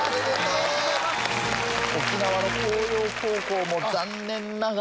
沖縄の向陽高校も残念ながら。